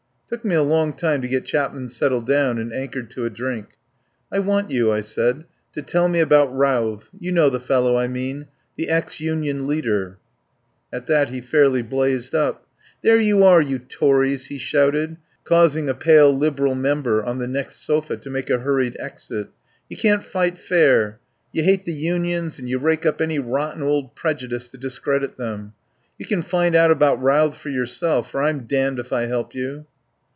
It took me a long time to get Chapman set tled down and anchored to a drink. "I want you," I said, "to tell me about Routh — you know the fellow I mean — the ex Union Leader." At that he fairly blazed up. "There you are, you Tories," he shouted, causing a pale Liberal member on the next sofa to make a hurried exit. "You can't fight fair. You hate the Unions, and you rake up any rotten old prejudice to discredit them. You can find out about Routh for yourself, for I'm damned if I help you."